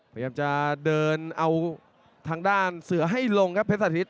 พยายามจะเดินเอาทางด้านเสือให้ลงครับเพชรสาธิต